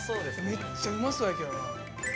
めっちゃうまそうやけどな。